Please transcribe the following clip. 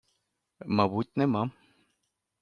- Мабуть, нема...